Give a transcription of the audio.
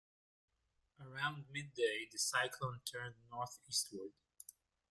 Around midday, the cyclone turned northeastward.